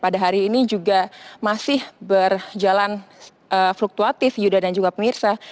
dan juga fluktuatif yuda dan juga pemirsa